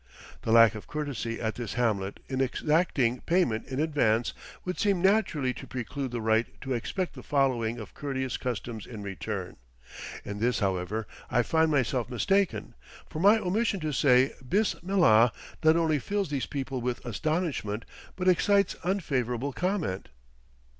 The lack of courtesy at this hamlet in exacting payment in advance would seem naturally to preclude the right to expect the following of courteous customs in return. In this, however, I find myself mistaken; for my omission to say "Bis millah" not only fills these people with astonishment, but excites unfavorable comment.